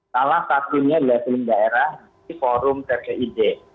salah satunya di daerah forum tgid